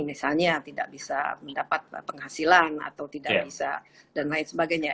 misalnya tidak bisa mendapat penghasilan atau tidak bisa dan lain sebagainya